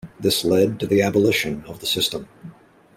This led to the abolition of the system.